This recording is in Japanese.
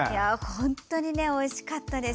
本当においしかったです。